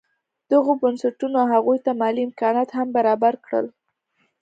دغو بنسټونو هغوی ته مالي امکانات هم برابر کړل.